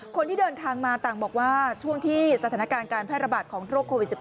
คนที่เดินทางมาต่างบอกว่าช่วงที่สถานการณ์การแพร่ระบาดของโรคโควิด๑๙